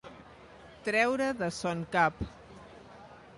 Treure de son cap.